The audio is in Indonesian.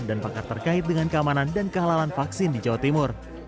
dan pakar terkait dengan keamanan dan kehalalan vaksin di jawa timur